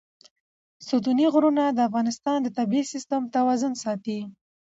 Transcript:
ستوني غرونه د افغانستان د طبعي سیسټم توازن ساتي.